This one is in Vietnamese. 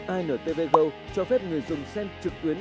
antv go cho phép người dùng xem trực tuyến